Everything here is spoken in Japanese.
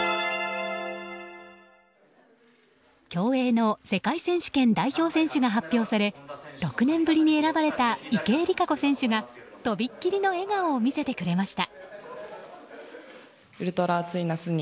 競泳の世界選手権代表選手が発表され６年ぶりに選ばれた池江璃花子選手がとびっきりの笑顔を見せてくれました。